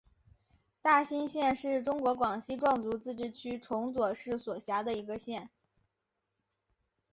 大新县是中国广西壮族自治区崇左市所辖的一个县。